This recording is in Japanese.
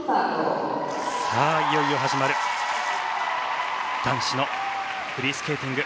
いよいよ始まる男子のフリースケーティング。